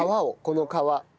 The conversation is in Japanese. この皮。